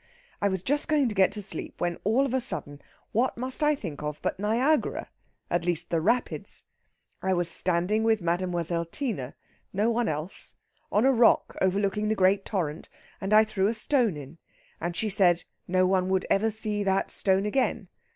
I was just going to get to sleep, when, all of a sudden, what must I think of but Niagara! at least, the rapids. I was standing with Mademoiselle Tina no one else on a rock overlooking the great torrent, and I threw a stone in, and she said no one would ever see that stone again.